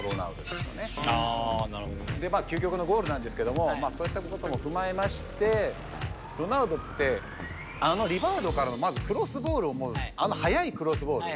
あなるほどね。でまあ究極のゴールなんですけどもそういったことも踏まえましてロナウドってあのリバウドからのまずクロスボールをあの速いクロスボール。